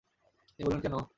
তিনি বললেন, কেন?